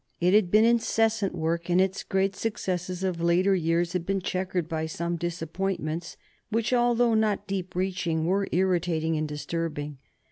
It had been incessant work, and its great successes of later years had been checkered by some disappointments, which, although not deep reaching, were irritating and disturbing.